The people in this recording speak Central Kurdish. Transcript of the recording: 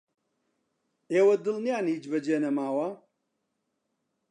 ئێوە دڵنیان هیچ بەجێ نەماوە؟